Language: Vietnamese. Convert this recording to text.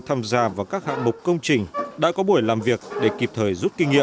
tham gia vào các hạng mục công trình đã có buổi làm việc để kịp thời rút kinh nghiệm